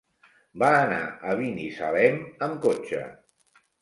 Va anar a Binissalem amb cotxe.